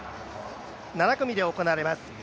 ７組で行われます。